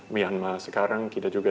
myanmar sekarang kita juga